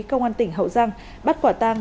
công an tỉnh hậu giang bắt quả tang